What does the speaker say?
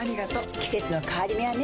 季節の変わり目はねうん。